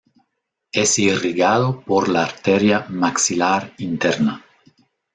Es irrigado por la arteria maxilar interna.